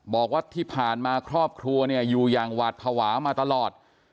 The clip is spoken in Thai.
บอกว่าที่ผ่านมาครอบครัวเนี่ยอยู่อย่างหวาดภาวะมาตลอด